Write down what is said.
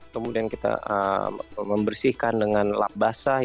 kemudian kita membersihkan dengan lap basah